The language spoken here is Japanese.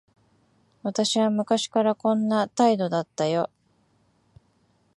私は昔からこんな態度だったよ。